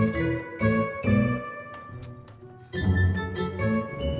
kami di lantai